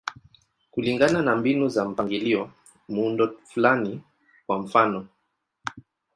Kulingana na mbinu za mpangilio, muundo fulani, kwa mfano.